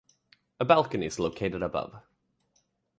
A balcony is located above.